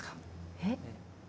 えっ？